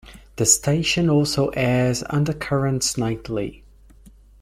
The station also airs "UnderCurrents" nightly.